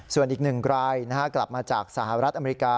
ส่วนอีก๑รายกลับมาจากสหรัฐอเมริกา